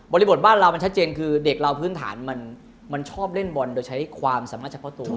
บทบ้านเรามันชัดเจนคือเด็กเราพื้นฐานมันชอบเล่นบอลโดยใช้ความสามารถเฉพาะตัว